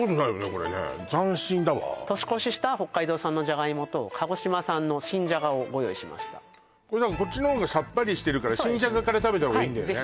これね斬新だわ年越しした北海道産のじゃがいもと鹿児島産の新じゃがをご用意しましたこっちの方がさっぱりしてるから新じゃがから食べた方がいいんだよね？